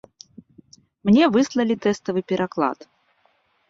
Мне выслалі тэставы пераклад.